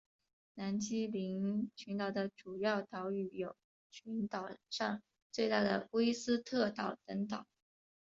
南基林群岛的主要岛屿有群岛上最大的威斯特岛等岛。